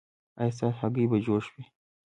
ایا ستاسو هګۍ به جوش وي؟